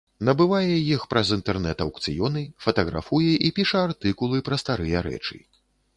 Набывае іх праз інтэрнэт-аўкцыёны, фатаграфуе і піша артыкулы пра старыя рэчы.